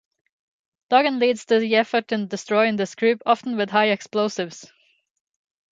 Dugan leads the effort in destroying this group, often with high explosives.